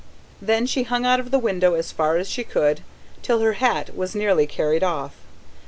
Then she hung out of the window, as far out as she could, till her hat was nearly carried off.